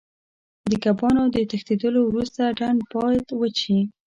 د کبانو د تښتېدلو وروسته ډنډ باید وچ شي.